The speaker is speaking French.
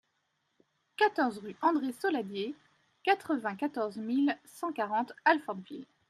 quatorze rue André Soladier, quatre-vingt-quatorze mille cent quarante Alfortville